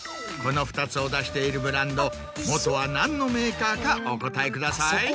この２つを出しているブランドもとは何のメーカーかお答えください。